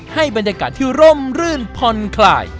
ให้บรรยากาศที่ร่มรื่นพลไขล